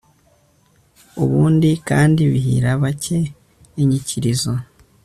ubundi kandi bihira bake inyikirizo